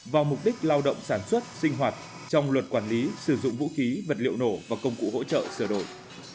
vào mục đích lao động sản xuất sinh hoạt trong luật quản lý sử dụng vũ khí vật liệu nổ và công cụ hỗ trợ sửa đổi